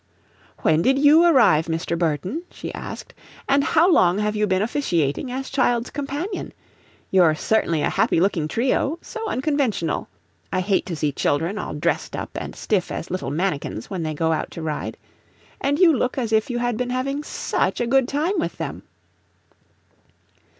"When did YOU arrive, Mr. Burton?" she asked, "and how long have you been officiating as child's companion? You're certainly a happy looking trio so unconventional. I hate to see children all dressed up and stiff as little manikins, when they go out to ride. And you look as if you had been having SUCH a good time with them."